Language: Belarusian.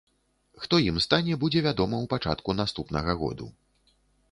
Хто ім стане будзе вядома ў пачатку наступнага году.